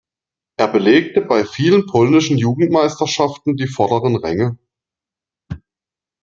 Er belegte bei vielen polnischen Jugendmeisterschaften die vorderen Ränge.